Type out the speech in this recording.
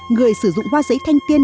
người sử dụng hoa giấy thanh tiên